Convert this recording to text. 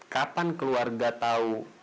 kapan keluarga tau